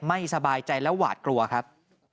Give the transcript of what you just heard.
ไม่สบายใจและหวาดกลัวครับ